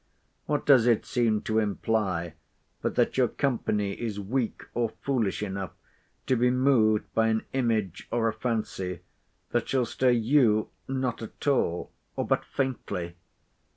What does it seem to imply, but that your company is weak or foolish enough to be moved by an image or a fancy, that shall stir you not at all, or but faintly?